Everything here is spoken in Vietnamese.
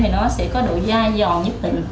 thì nó sẽ có độ dai giòn nhất định